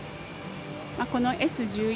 このＳ１４